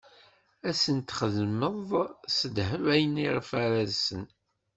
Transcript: Ad sen-txedmeḍ s ddheb ayen iɣef ara rsen.